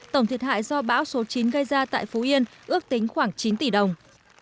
tổng thiệt hại do bão số chín gây ra tại phú yên ước tính khoảng chín tỷ đồng